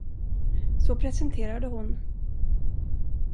Så presenterade hon.